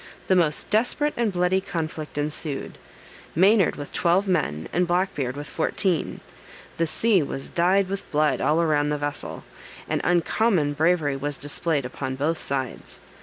The most desperate and bloody conflict ensued: Maynard with twelve men, and Black Beard with fourteen. The sea was dyed with blood all around the vessel, and uncommon bravery was displayed upon both sides.